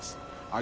あ！